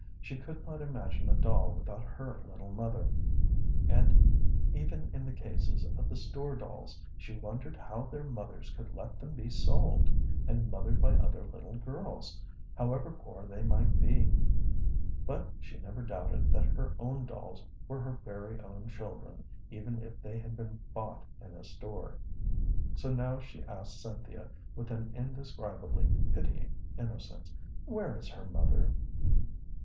She could not imagine a doll without her little mother, and even in the cases of the store dolls, she wondered how their mothers could let them be sold, and mothered by other little girls, however poor they might be. But she never doubted that her own dolls were her very own children even if they had been bought in a store. So now she asked Cynthia with an indescribably pitying innocence, "Where is her mother?"